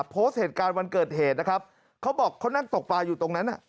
โพสต์เหตุการณ์วันเกิดเหตุนะครับเขาบอกเขานั่งตกปลาอยู่ตรงนั้น